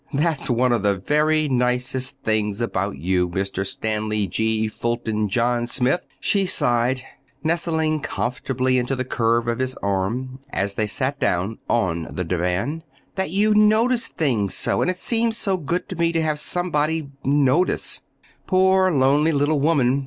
"That's one of the very nicest things about you, Mr. Stanley G. Fulton John Smith," she sighed, nestling comfortably into the curve of his arm, as they sat down on the divan;—"that you notice things so. And it seems so good to me to have somebody—notice." "Poor lonely little woman!